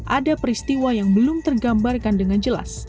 ada peristiwa yang belum tergambarkan dengan jelas